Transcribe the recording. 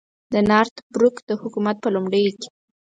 د نارت بروک د حکومت په لومړیو کې.